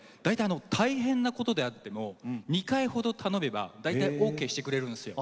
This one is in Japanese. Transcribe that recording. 大変なことであっても２回ほど頼めば大体オーケーしてくれるんですよ。